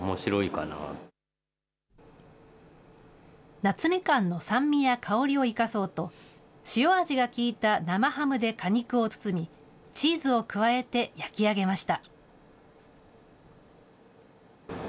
夏みかんの酸味や香りを生かそうと、塩味が効いた生ハムで果肉を包み、チーズを加えて焼き上げました。